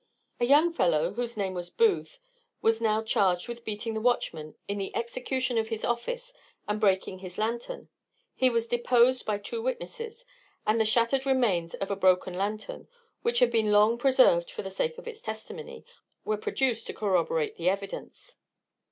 A young fellow, whose name was Booth, was now charged with beating the watchman in the execution of his office and breaking his lanthorn. This was deposed by two witnesses; and the shattered remains of a broken lanthorn, which had been long preserved for the sake of its testimony, were produced to corroborate the evidence.